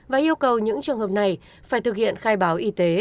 và yêu cầu những trường hợp này phải thực hiện khai báo y tế